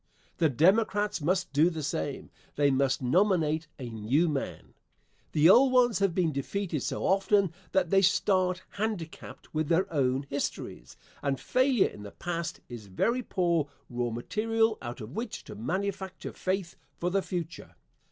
The Democrats must do the same. They must nominate a new man. The old ones have been defeated so often that they start handicapped with their own histories, and failure in the past is very poor raw material out of which to manufacture faith for the future.